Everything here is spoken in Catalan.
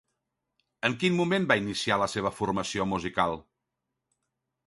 En quin moment va iniciar la seva formació musical?